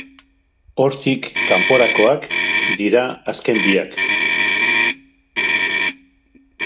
Hortik kanporakoak dira azken biak.